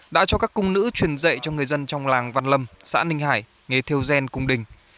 đã cho các cung nữ truyền dạy cho người dân trong làng văn lâm xã ninh hải nghề theo gen cung đình